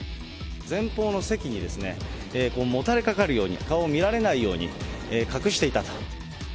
前方の席にですね、もたれかかるように、顔を見られないように隠していたと。